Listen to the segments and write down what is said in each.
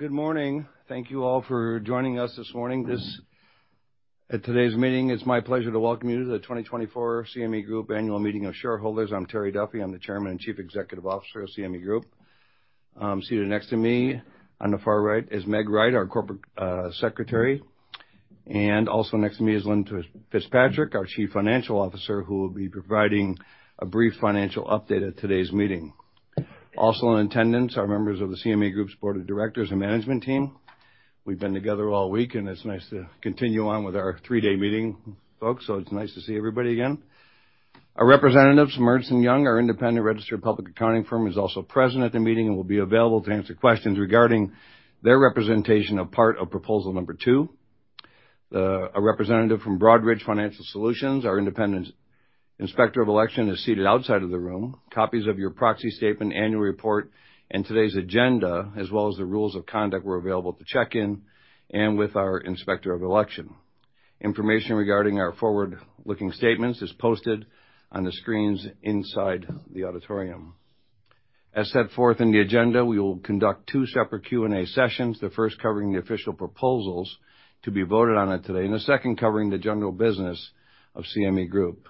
Good morning. Thank you all for joining us this morning. At today's meeting, it's my pleasure to welcome you to the 2024 CME Group Annual Meeting of Shareholders. I'm Terry Duffy. I'm the Chairman and Chief Executive Officer of CME Group. Seated next to me on the far right is Meg Wright, our corporate secretary, and also next to me is Lynne Fitzpatrick, our Chief Financial Officer, who will be providing a brief financial update at today's meeting. Also in attendance are members of the CME Group's board of directors and management team. We've been together all week, and it's nice to continue on with our three-day meeting, folks, so it's nice to see everybody again. Our representatives from Ernst & Young, our independent registered public accounting firm, is also present at the meeting and will be available to answer questions regarding their representation of part of proposal number two. A representative from Broadridge Financial Solutions, our independent inspector of election, is seated outside of the room. Copies of your Proxy Statement, annual report, and today's agenda, as well as the rules of conduct, were available at the check-in and with our inspector of election. Information regarding our forward-looking statements is posted on the screens inside the auditorium. As set forth in the agenda, we will conduct two separate Q&A sessions, the first covering the official proposals to be voted on it today, and the second covering the general business of CME Group.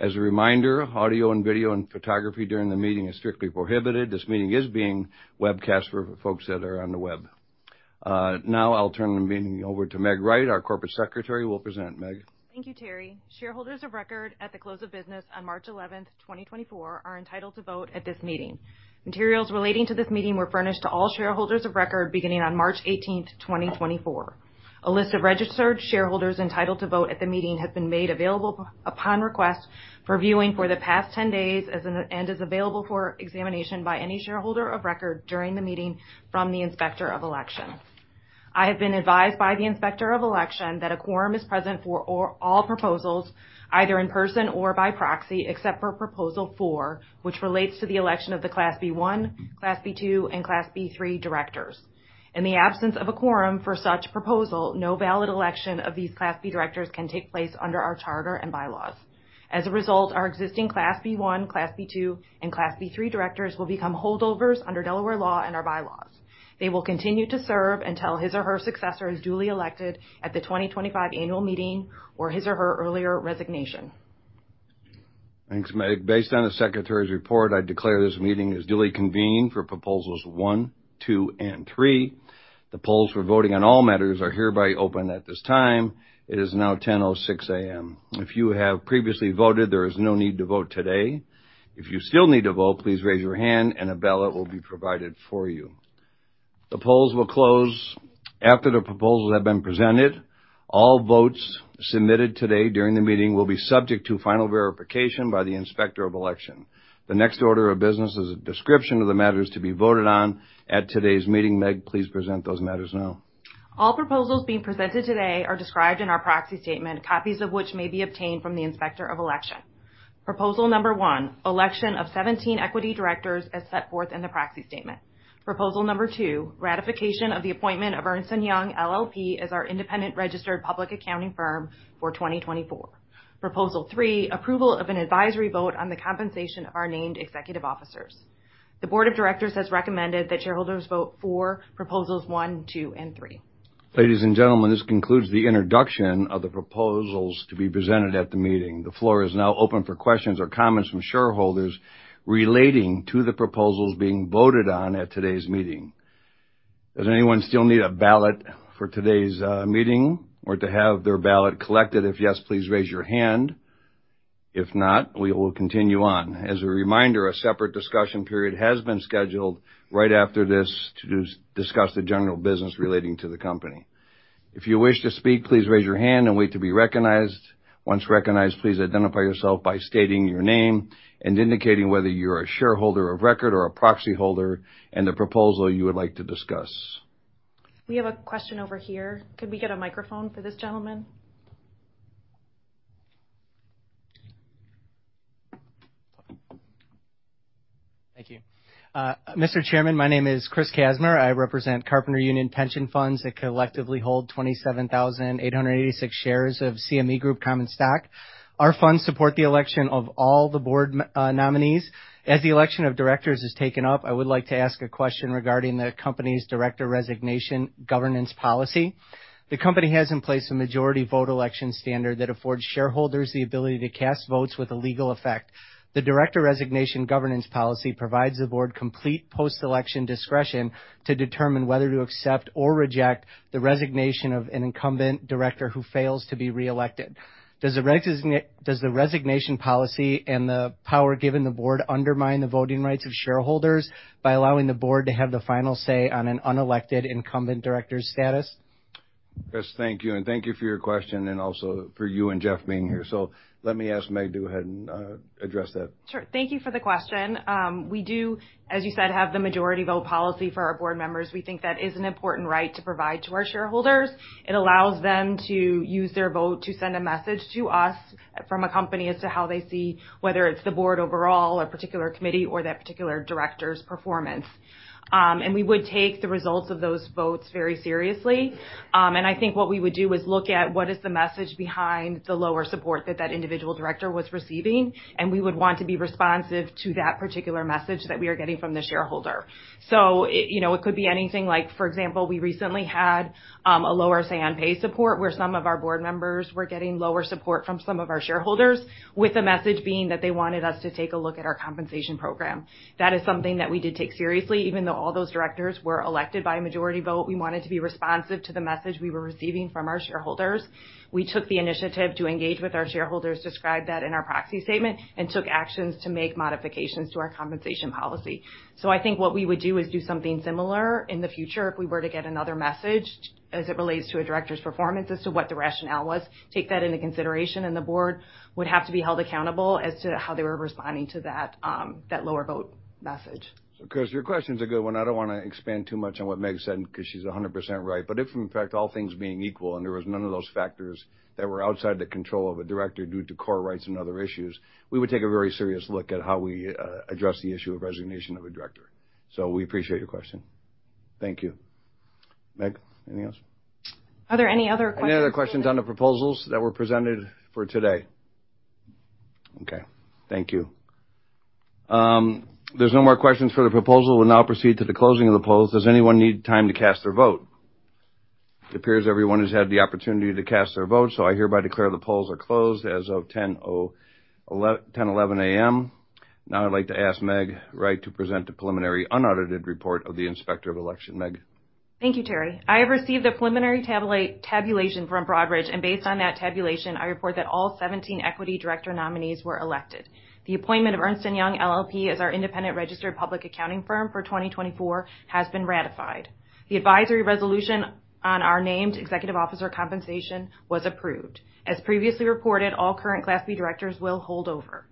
As a reminder, audio and video and photography during the meeting is strictly prohibited. This meeting is being webcast for folks that are on the web. Now I'll turn the meeting over to Meg Wright, our Corporate Secretary, who will present. Meg? Thank you, Terry. Shareholders of record at the close of business on March 11, 2024, are entitled to vote at this meeting. Materials relating to this meeting were furnished to all shareholders of record beginning on March 18, 2024. A list of registered shareholders entitled to vote at the meeting has been made available upon request for viewing for the past 10 days and is available for examination by any shareholder of record during the meeting from the Inspector of Election. I have been advised by the Inspector of Election that a quorum is present for all proposals, either in person or by proxy, except for Proposal 4, which relates to the election of the Class B1, Class B2, and Class B3 directors. In the absence of a quorum for such proposal, no valid election of these Class B directors can take place under our charter and bylaws. As a result, our existing Class B1, Class B2, and Class B3 directors will become holdovers under Delaware law and our bylaws. They will continue to serve until his or her successor is duly elected at the 2025 annual meeting or his or her earlier resignation. Thanks, Meg. Based on the Secretary's report, I declare this meeting is duly convened for Proposals 1, 2, and 3. The polls for voting on all matters are hereby open at this time. It is now 10:06 A.M. If you have previously voted, there is no need to vote today. If you still need to vote, please raise your hand and a ballot will be provided for you. The polls will close after the proposals have been presented. All votes submitted today during the meeting will be subject to final verification by the Inspector of Election. The next order of business is a description of the matters to be voted on at today's meeting. Meg, please present those matters now. All proposals being presented today are described in our Proxy Statement, copies of which may be obtained from the Inspector of Election. Proposal Number 1: Election of 17 equity directors as set forth in the Proxy Statement. Proposal Number 2: Ratification of the appointment of Ernst & Young LLP as our independent registered public accounting firm for 2024. Proposal Number 3: Approval of an advisory vote on the compensation of our named executive officers. The board of directors has recommended that shareholders vote for Proposals 1, 2, and 3. Ladies and gentlemen, this concludes the introduction of the proposals to be presented at the meeting. The floor is now open for questions or comments from shareholders relating to the proposals being voted on at today's meeting. Does anyone still need a ballot for today's meeting or to have their ballot collected? If yes, please raise your hand. If not, we will continue on. As a reminder, a separate discussion period has been scheduled right after this to discuss the general business relating to the company. If you wish to speak, please raise your hand and wait to be recognized. Once recognized, please identify yourself by stating your name and indicating whether you're a shareholder of record or a proxy holder and the proposal you would like to discuss. We have a question over here. Could we get a microphone for this gentleman? Thank you. Mr. Chairman, my name is Chris Kasmer. I represent Carpenter Union Pension Funds that collectively hold 27,886 shares of CME Group common stock. Our funds support the election of all the board nominees. As the election of directors is taken up, I would like to ask a question regarding the company's director resignation governance policy. The company has in place a majority vote election standard that affords shareholders the ability to cast votes with a legal effect. The director resignation governance policy provides the board complete post-election discretion to determine whether to accept or reject the resignation of an incumbent director who fails to be reelected. Does the resignation policy and the power given the board undermine the voting rights of shareholders by allowing the board to have the final say on an unelected incumbent director's status?... Chris, thank you, and thank you for your question, and also for you and Jeff being here. So let me ask Meg to go ahead and address that. Sure. Thank you for the question. We do, as you said, have the majority vote policy for our board members. We think that is an important right to provide to our shareholders. It allows them to use their vote to send a message to us from a company as to how they see whether it's the board overall, or particular committee, or that particular director's performance. And we would take the results of those votes very seriously. And I think what we would do is look at what is the message behind the lower support that that individual director was receiving, and we would want to be responsive to that particular message that we are getting from the shareholder. So it, you know, it could be anything like, for example, we recently had a lower say-on-pay support, where some of our board members were getting lower support from some of our shareholders, with the message being that they wanted us to take a look at our compensation program. That is something that we did take seriously, even though all those directors were elected by a majority vote. We wanted to be responsive to the message we were receiving from our shareholders. We took the initiative to engage with our shareholders, described that in our Proxy Statement, and took actions to make modifications to our compensation policy. So I think what we would do is do something similar in the future if we were to get another message, as it relates to a director's performance, as to what the rationale was, take that into consideration, and the board would have to be held accountable as to how they were responding to that, that lower vote message. So, Chris, your question's a good one. I don't want to expand too much on what Meg said, because she's 100% right. But if, in fact, all things being equal, and there was none of those factors that were outside the control of a director due to core rights and other issues, we would take a very serious look at how we address the issue of resignation of a director. So we appreciate your question. Thank you. Meg, anything else? Are there any other questions? Any other questions on the proposals that were presented for today? Okay, thank you. There's no more questions for the proposal. We'll now proceed to the closing of the polls. Does anyone need time to cast their vote? It appears everyone has had the opportunity to cast their vote, so I hereby declare the polls are closed as of 10:11 A.M. Now, I'd like to ask Meg Wright to present the preliminary unaudited report of the Inspector of Election. Meg? Thank you, Terry. I have received a preliminary tabulation from Broadridge, and based on that tabulation, I report that all 17 equity director nominees were elected. The appointment of Ernst & Young LLP as our independent registered public accounting firm for 2024 has been ratified. The advisory resolution on our named executive officer compensation was approved. As previously reported, all current Class B directors will hold over.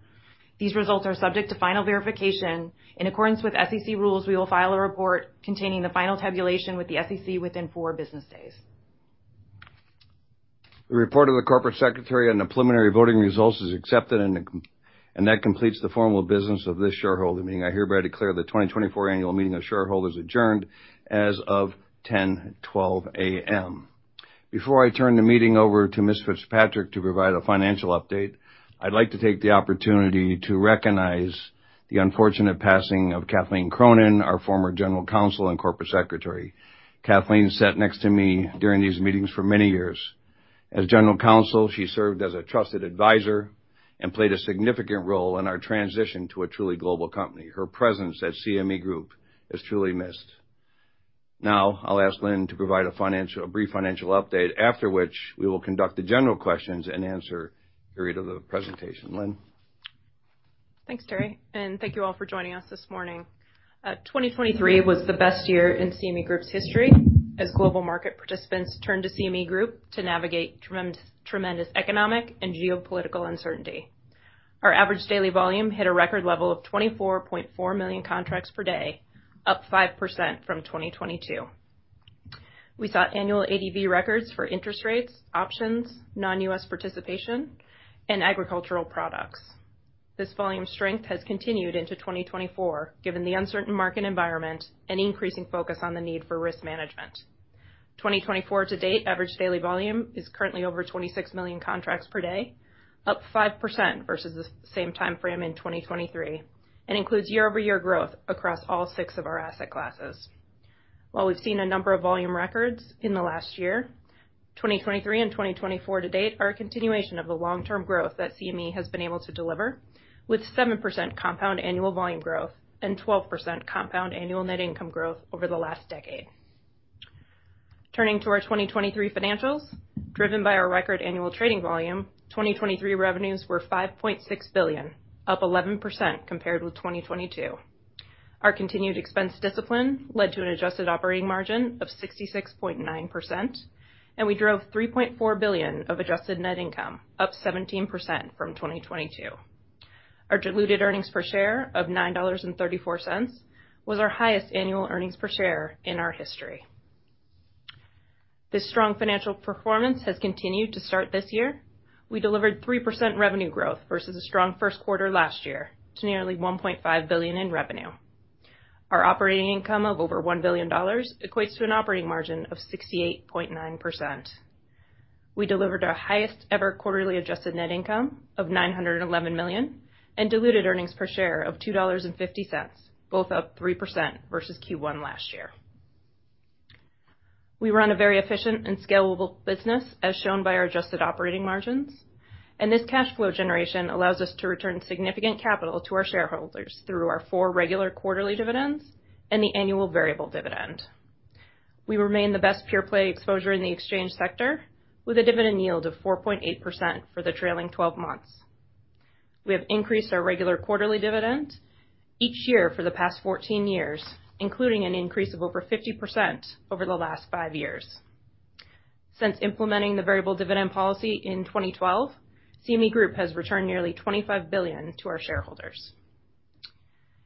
These results are subject to final verification. In accordance with SEC rules, we will file a report containing the final tabulation with the SEC within four business days. The report of the corporate secretary on the preliminary voting results is accepted, and that completes the formal business of this shareholder meeting. I hereby declare the 2024 annual meeting of shareholders adjourned as of 10:12 A.M. Before I turn the meeting over to Ms. Fitzpatrick to provide a financial update, I'd like to take the opportunity to recognize the unfortunate passing of Kathleen Cronin, our former General Counsel and Corporate Secretary. Kathleen sat next to me during these meetings for many years. As General Counsel, she served as a trusted advisor and played a significant role in our transition to a truly global company. Her presence at CME Group is truly missed. Now, I'll ask Lynne to provide a brief financial update, after which we will conduct the general questions and answer period of the presentation. Lynne? Thanks, Terry, and thank you all for joining us this morning. 2023 was the best year in CME Group's history, as global market participants turned to CME Group to navigate tremendous economic and geopolitical uncertainty. Our average daily volume hit a record level of 24.4 million contracts per day, up 5% from 2022. We saw annual ADV records for interest rates, options, non-US participation, and agricultural products. This volume strength has continued into 2024, given the uncertain market environment and increasing focus on the need for risk management. 2024 to date, average daily volume is currently over 26 million contracts per day, up 5% versus the same timeframe in 2023, and includes year-over-year growth across all six of our asset classes. While we've seen a number of volume records in the last year, 2023 and 2024 to date, are a continuation of the long-term growth that CME has been able to deliver, with 7% compound annual volume growth and 12% compound annual net income growth over the last decade. Turning to our 2023 financials, driven by our record annual trading volume, 2023 revenues were $5.6 billion, up 11% compared with 2022. Our continued expense discipline led to an adjusted operating margin of 66.9%, and we drove $3.4 billion of adjusted net income, up 17% from 2022. Our diluted earnings per share of $9.34 was our highest annual earnings per share in our history. This strong financial performance has continued to start this year. We delivered 3% revenue growth versus a strong first quarter last year, to nearly $1.5 billion in revenue. Our operating income of over $1 billion equates to an operating margin of 68.9%. We delivered our highest-ever quarterly adjusted net income of $911 million, and diluted earnings per share of $2.50, both up 3% versus Q1 last year. We run a very efficient and scalable business, as shown by our adjusted operating margins, and this cash flow generation allows us to return significant capital to our shareholders through our four regular quarterly dividends and the annual variable dividend. We remain the best pure play exposure in the exchange sector, with a dividend yield of 4.8% for the trailing twelve months.... We have increased our regular quarterly dividend each year for the past 14 years, including an increase of over 50% over the last five years. Since implementing the variable dividend policy in 2012, CME Group has returned nearly $25 billion to our shareholders.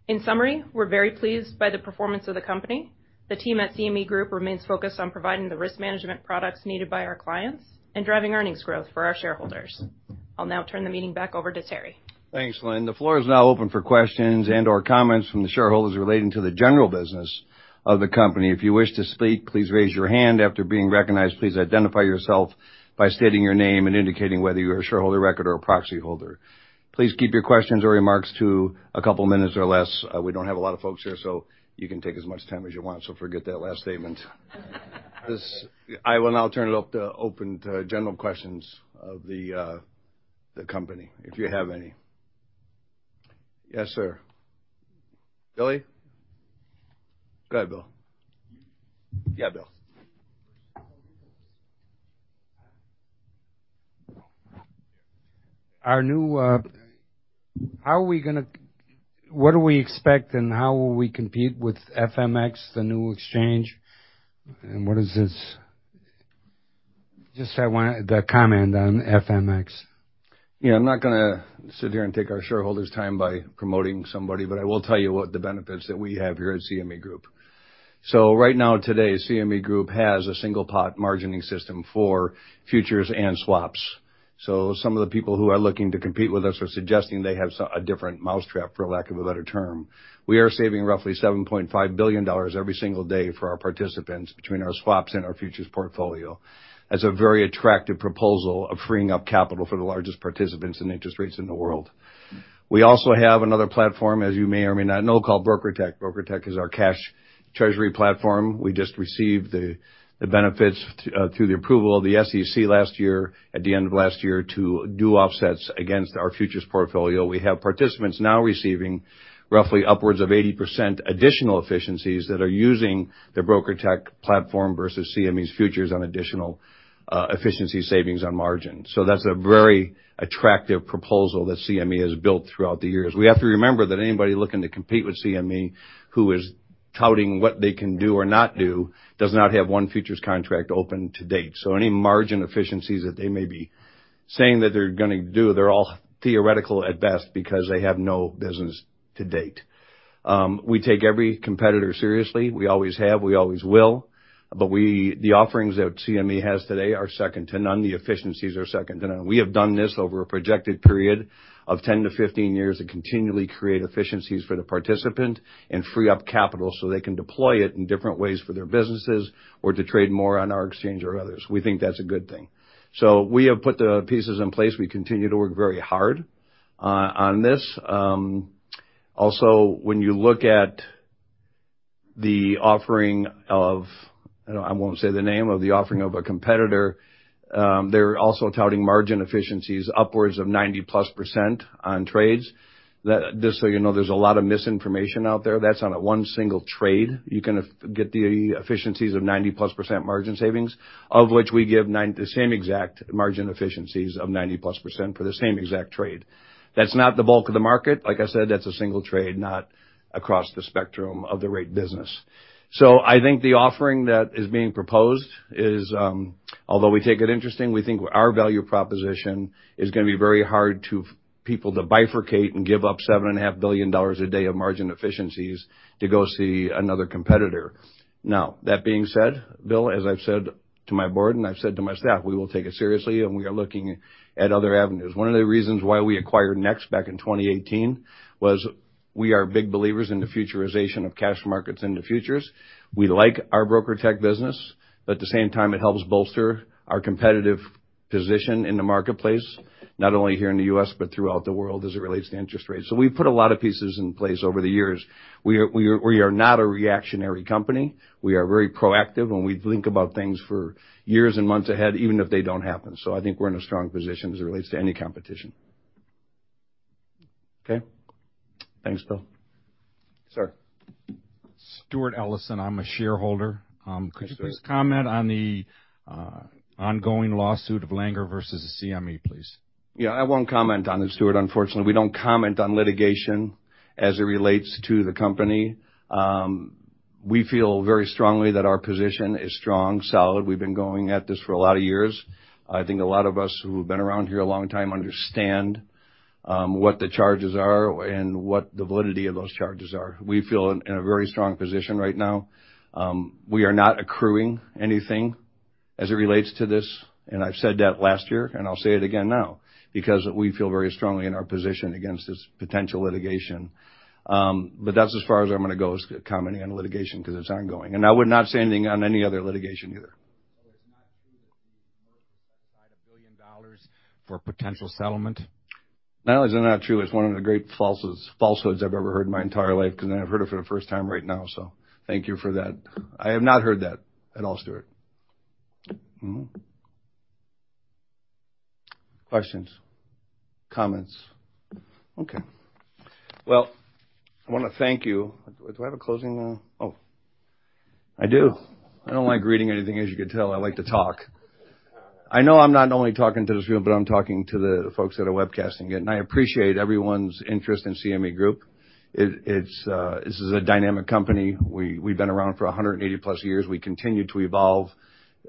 In summary, we're very pleased by the performance of the company. The team at CME Group remains focused on providing the risk management products needed by our clients and driving earnings growth for our shareholders. I'll now turn the meeting back over to Terry. Thanks, Lynn. The floor is now open for questions and/or comments from the shareholders relating to the general business of the company. If you wish to speak, please raise your hand. After being recognized, please identify yourself by stating your name and indicating whether you are a shareholder of record or a proxy holder. Please keep your questions or remarks to a couple of minutes or less. We don't have a lot of folks here, so you can take as much time as you want, so forget that last statement. I will now turn it up to open to general questions of the company, if you have any. Yes, sir. Billy? Go ahead, Bill. Yeah, Bill. Our new, what do we expect and how will we compete with FMX, the new exchange? And what is this? Just, I want the comment on FMX. Yeah, I'm not gonna sit here and take our shareholders' time by promoting somebody, but I will tell you what the benefits that we have here at CME Group. So right now, today, CME Group has a single pot margining system for futures and swaps. So some of the people who are looking to compete with us are suggesting they have so a different mousetrap, for lack of a better term. We are saving roughly $7.5 billion every single day for our participants between our swaps and our futures portfolio. That's a very attractive proposal of freeing up capital for the largest participants in interest rates in the world. We also have another platform, as you may or may not know, called BrokerTec. BrokerTec is our cash treasury platform. We just received the benefits through the approval of the SEC last year, at the end of last year, to do offsets against our futures portfolio. We have participants now receiving roughly upwards of 80% additional efficiencies that are using the BrokerTec platform versus CME's futures on additional efficiency savings on margin. So that's a very attractive proposal that CME has built throughout the years. We have to remember that anybody looking to compete with CME, who is touting what they can do or not do, does not have one futures contract open to date. So any margin efficiencies that they may be saying that they're gonna do, they're all theoretical at best because they have no business to date. We take every competitor seriously. We always have, we always will, but the offerings that CME has today are second to none. The efficiencies are second to none. We have done this over a projected period of 10-15 years and continually create efficiencies for the participant and free up capital so they can deploy it in different ways for their businesses or to trade more on our exchange or others. We think that's a good thing. So we have put the pieces in place. We continue to work very hard on this. Also, when you look at the offering of... I won't say the name of the offering of a competitor, they're also touting margin efficiencies upwards of 90%+ on trades. Just so you know, there's a lot of misinformation out there. That's on a one single trade, you can get the efficiencies of 90+% margin savings, of which we give ninety-- the same exact margin efficiencies of 90+% for the same exact trade. That's not the bulk of the market. Like I said, that's a single trade, not across the spectrum of the rate business. So I think the offering that is being proposed is, although we take it interesting, we think our value proposition is gonna be very hard to people to bifurcate and give up $7.5 billion a day of margin efficiencies to go see another competitor. Now, that being said, Bill, as I've said to my board and I've said to my staff, we will take it seriously, and we are looking at other avenues. One of the reasons why we acquired NEX back in 2018 was we are big believers in the futurization of cash markets into futures. We like our BrokerTec business, at the same time, it helps bolster our competitive position in the marketplace, not only here in the U.S., but throughout the world as it relates to interest rates. So we've put a lot of pieces in place over the years. We are not a reactionary company. We are very proactive, and we think about things for years and months ahead, even if they don't happen. So I think we're in a strong position as it relates to any competition. Okay? Thanks, Bill. Sir. Stuart Ellison, I'm a shareholder. Could you please comment on the ongoing lawsuit of Langer versus CME, please? Yeah, I won't comment on it, Stuart. Unfortunately, we don't comment on litigation as it relates to the company. We feel very strongly that our position is strong, solid. We've been going at this for a lot of years. I think a lot of us who have been around here a long time understand what the charges are and what the validity of those charges are. We feel in a very strong position right now. We are not accruing anything as it relates to this, and I've said that last year, and I'll say it again now, because we feel very strongly in our position against this potential litigation. But that's as far as I'm gonna go as commenting on litigation because it's ongoing, and I would not say anything on any other litigation either. It's not true that the board set aside $1 billion for potential settlement? Not only is it not true, it's one of the great falsehoods I've ever heard in my entire life, because I've heard it for the first time right now, so thank you for that. I have not heard that at all, Stuart. Mm-hmm. Questions? Comments? Okay. Well, I wanna thank you. Do I have a closing... Oh, I do. I don't like reading anything, as you can tell. I like to talk. I know I'm not only talking to this room, but I'm talking to the folks that are webcasting it, and I appreciate everyone's interest in CME Group. It, it's, this is a dynamic company. We, we've been around for 180+ years. We continue to evolve,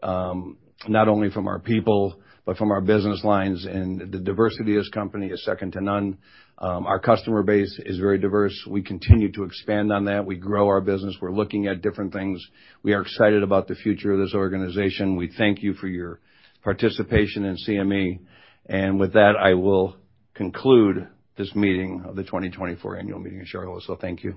not only from our people, but from our business lines, and the diversity of this company is second to none. Our customer base is very diverse. We continue to expand on that. We grow our business. We're looking at different things. We are excited about the future of this organization. We thank you for your participation in CME, and with that, I will conclude this meeting of the 2024 annual meeting of shareholders. So thank you.